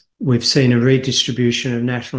kami melihat pemindahan pendapatan nasional